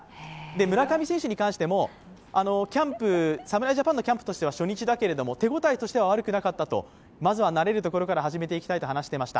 村上選手に関しても、侍ジャパンのキャンプとして初日だけども、手応えとしては悪くなかったとまずは慣れるところから始めていきたいと話していました。